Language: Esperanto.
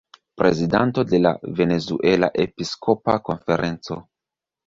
Prezidanto de la "Venezuela Episkopa Konferenco".